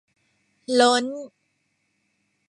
ล้น